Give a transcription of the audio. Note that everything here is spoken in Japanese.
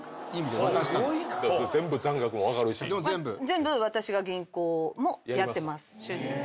全部私が銀行もやってます主人の。